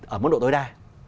ở mức độ tối đa